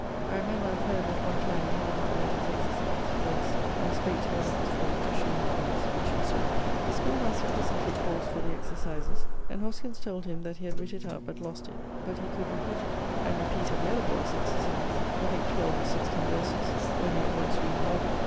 I remember I have heard that one time he had not made his exercise (verse) and spake to one of his forme to shew him his, which he sawe. The schoolmaster presently calles for the exercises, and Hoskyns told him that he had writ it out but lost it, but he could repeate it, and repeated the other boye's exercise (I think 12 or 16 verses) only at once reading over.